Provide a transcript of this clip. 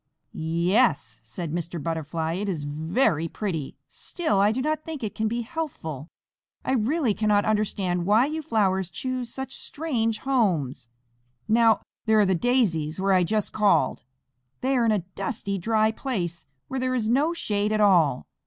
"Ye es," said Mr. Butterfly, "it is very pretty, still I do not think it can be healthful. I really cannot understand why you flowers choose such strange homes. Now, there are the Daisies, where I just called. They are in a dusty, dry place, where there is no shade at all.